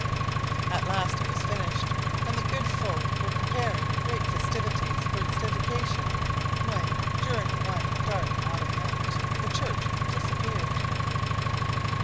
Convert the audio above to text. At last it was finished, and the good folk were preparing great festivities for its dedication when, during one dark autumn night, the church disappeared.